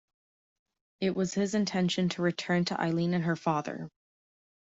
It was his intention to return to Eileen and her father.